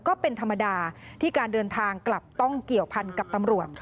ก็เป็นธรรมดาที่การเดินทางกลับต้องเกี่ยวพันกับตำรวจ